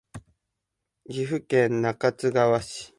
岐阜県中津川市